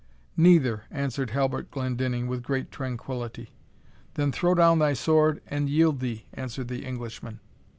"Neither," answered Halbert Glendinning, with great tranquillity. "Then throw down thy sword and yield thee," answered the Englishman.